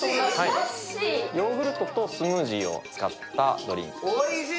ヨーグルトとスムージーを使ったドリンクです。